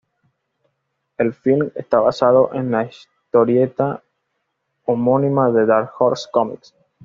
El film está basado en la historieta homónima de Dark Horse Comics.